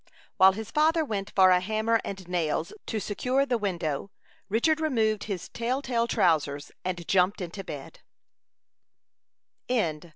While his father went for a hammer and nails, to secure the window, Richard removed his telltale trousers, and jumped into bed.